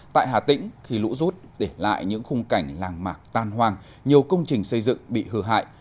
tại hà tĩnh khi lũ rút để lại những khung cảnh làng mạc tan hoang nhiều công trình xây dựng bị hư hại